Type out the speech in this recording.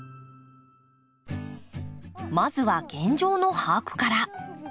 まずは現状の把握から。